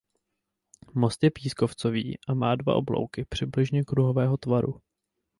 Most je pískovcový a má dva oblouky přibližně kruhového tvaru.